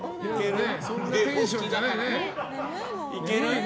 そんなテンションじゃないね。